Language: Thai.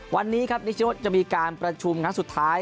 วันนี้ครับนิชโนจะมีการประชุมครั้งสุดท้าย